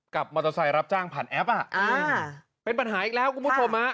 กับรับจ้างผันแอปป่ะอ่าเป็นปัญหาอีกแล้วกูพูดมา